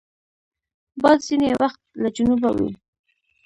باد ځینې وخت له جنوبه وي